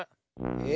え？